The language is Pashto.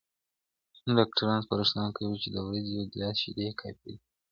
ډاکټران سپارښتنه کوي چې د ورځې یو ګیلاس شیدې کافي دي.